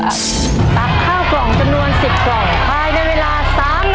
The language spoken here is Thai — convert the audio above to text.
ปรับข้าวกล่องจันทนวน๑๐กล่อง